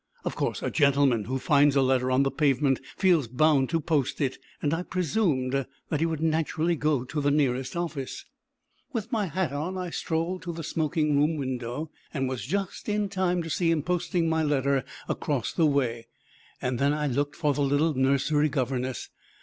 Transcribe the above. Of course, a gentleman who finds a letter on the pavement feels bound to post it, and I presumed that he would naturally go to the nearest office. With my hat on I strolled to the smoking room window, and was just in time to see him posting my letter across the way. Then I looked for the little nursery governess.